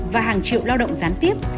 và hàng triệu lao động gián tiếp